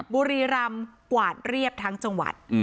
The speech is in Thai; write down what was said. บุรีรำกวาดเรียบทั้งจังหวัด